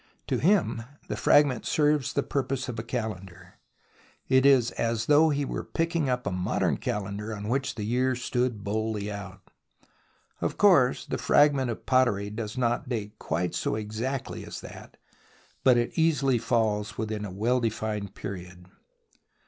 To him the fragment serves the purpose of a calendar. It is as though he were picking up a modern calendar on which the year stood boldly out. Of course the fragment of pottery does not date quite so exactly as that, but it easily falls within a well defined period.